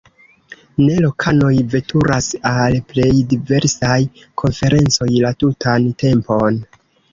Ne, lokanoj veturas al plej diversaj konferencoj la tutan tempon.